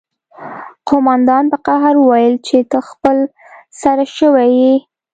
قومندان په قهر وویل چې ته خپل سری شوی یې